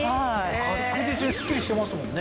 確実にスッキリしてますもんね。